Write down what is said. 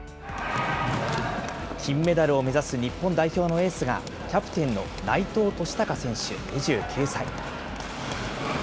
金メダルを目指す日本代表のエースがキャプテンの内藤利貴選手２９歳。